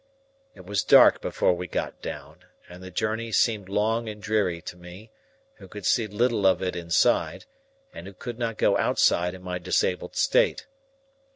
It was dark before we got down, and the journey seemed long and dreary to me, who could see little of it inside, and who could not go outside in my disabled state.